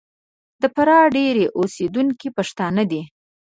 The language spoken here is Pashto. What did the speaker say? د فراه ډېری اوسېدونکي پښتانه دي.